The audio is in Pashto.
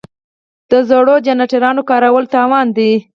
د زړو جنراتورونو کارول تاوان دی.